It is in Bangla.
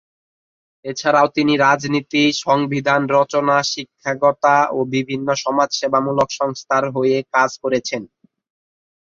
এছাড়াও তিনি রাজনীতি, সংবিধান রচনা, শিক্ষকতা ও বিভিন্ন সমাজসেবা মূলক সংস্থার হয়ে কাজ করেছেন।